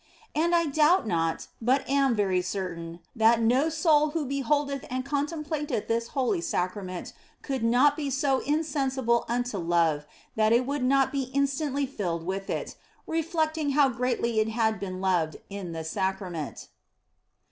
And I doubt not, but am very certain, that no soul who beholdeth and contemplateth this holy Sacrament could not be so insensible unto love that it would not be instantly filled with it, reflecting how greatly it had been loved in this Sacrament.